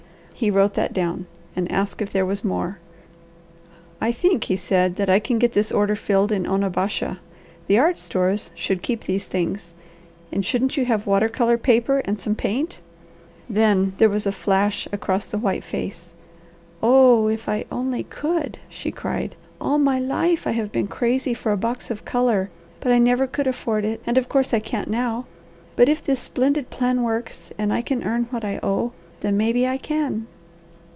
He wrote that down, and asked if there was more. "I think," he said, "that I can get this order filled in Onabasha. The art stores should keep these things. And shouldn't you have water colour paper and some paint?" Then there was a flash across the white face. "Oh if I only could!" she cried. "All my life I have been crazy for a box of colour, but I never could afford it, and of course, I can't now. But if this splendid plan works, and I can earn what I owe, then maybe I can."